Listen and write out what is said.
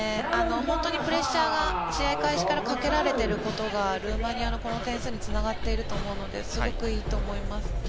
本当にプレッシャーが試合開始からかけられていることがルーマニアのこの点数につながっていると思うのですごくいいと思います。